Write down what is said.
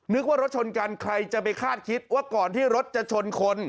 นึกว่ารถชนกันใครจะไปคาดคิดว่าก่อนที่รถจะชนคน